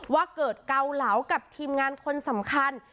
ว่าเกิดเกาเหลากับทีมงานคนสำคัญ